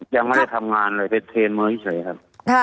ยังไม่ได้ทำงานเลยไปเทนมาเฉยครับ